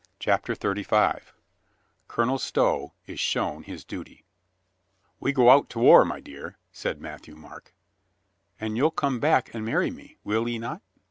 CHAPTER THIRTY FIVE COLONEL STOW IS SHOWN HIS DUTY "A II /"E go out to war, my dear," said Matthieu ^^ Marc. "And you'll come back and marry me, will 'e not?"